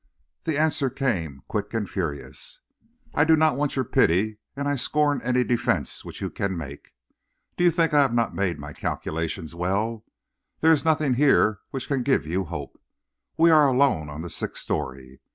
"The answer came, quick and furious: "'I do not want your pity, and I scorn any defense which you can make. Do you think I have not made my calculations well? There is nothing here which can give you hope. We are alone on the sixth story.